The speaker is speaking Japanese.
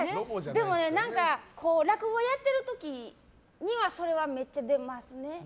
でもね、何か落語やってる時にはそれはめっちゃ出ますね。